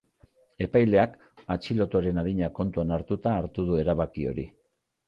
Epaileak atxilotuaren adina kontuan hartuta hartu du erabaki hori.